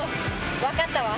分かったわ。